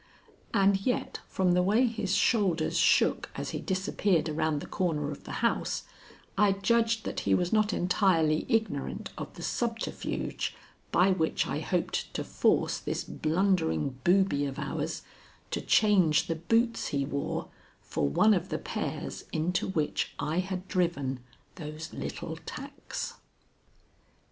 And yet from the way his shoulders shook as he disappeared around the corner of the house, I judge that he was not entirely ignorant of the subterfuge by which I hoped to force this blundering booby of ours to change the boots he wore for one of the pairs into which I had driven those little tacks.